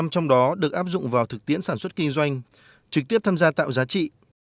bảy mươi trong đó được áp dụng vào thực tiễn sản xuất kinh doanh trực tiếp tham gia tạo giá trị